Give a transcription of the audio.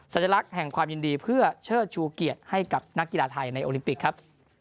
สัญลักษณ์แห่งความยินดีเพื่อเชิดชูเกียรติให้กับนักกีฬาไทยในโอลิมปิกครับ